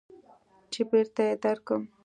چې بېرته يې درکم.